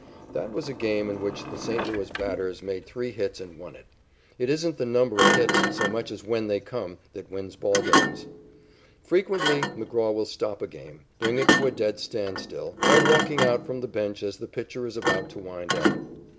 That was a game in which the St. Louis batters made three hits and won it. It isn't the number of hits, so much as when they come, that wins ball games. Frequently, McGraw will stop a game bring it to a dead standstill by walking out from the bench as the pitcher is about to wind up.